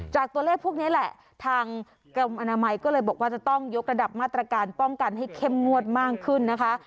ตัวเลขพวกนี้แหละทางกรมอนามัยก็เลยบอกว่าจะต้องยกระดับมาตรการป้องกันให้เข้มงวดมากขึ้นนะคะ